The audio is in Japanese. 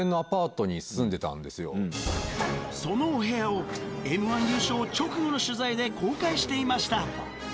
そのお部屋を『Ｍ−１』優勝直後の取材で公開していました